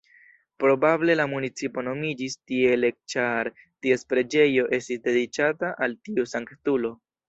Probable la municipo nomiĝis tiele ĉar ties preĝejo estis dediĉata al tiu sanktulo.